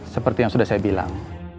seperti yang sudah saya bilang